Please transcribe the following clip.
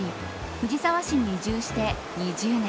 藤沢市に移住して２０年。